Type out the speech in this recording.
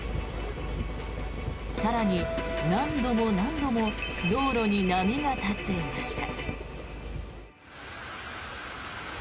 更に、何度も何度も道路に波が立っていました。